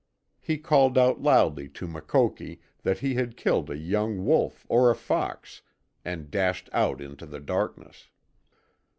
He called out loudly to Makoki that he had killed a young wolf or a fox, and dashed out into the darkness.